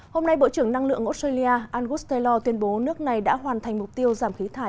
hôm nay bộ trưởng năng lượng australia angus taylor tuyên bố nước này đã hoàn thành mục tiêu giảm khí thải